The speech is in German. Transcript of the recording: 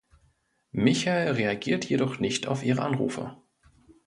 Michael reagiert jedoch nicht auf ihre Anrufe.